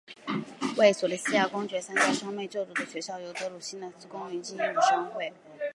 为索利斯提亚公爵家三兄妹就读的学校由德鲁萨西斯公爵经营的商会。